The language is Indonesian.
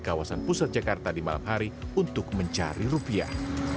kawasan pusat jakarta di malam hari untuk mencari rupiah